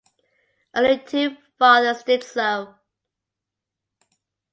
Only two fathers did so.